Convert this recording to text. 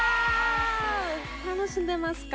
楽しんでますか？